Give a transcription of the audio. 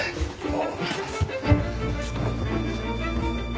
ああ。